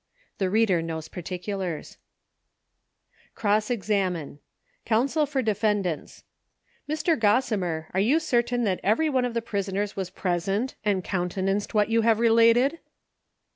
[The reader knows particulars,] Cross examine. Counsel for Defendants. — Mr. Gossimer, are you certain that every one of the prisoners was present and counte nanced what you have related